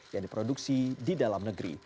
yang diproduksi di dalam negeri